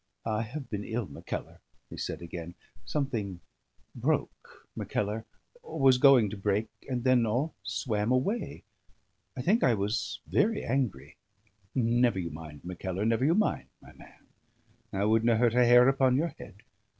"I have been ill, Mackellar," he said again. "Something broke, Mackellar or was going to break, and then all swam away. I think I was very angry. Never you mind, Mackellar; never you mind, my man. I wouldna hurt a hair upon your head.